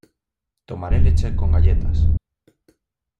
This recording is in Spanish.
Tomaré leche con galletas.